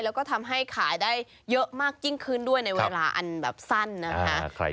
แล้วก็ทำให้ขายได้เยอะมากยิ่งขึ้นด้วยในเวลาอันแบบสั้นนะคะ